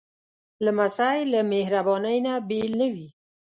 لمسی له مهربانۍ نه بېل نه وي.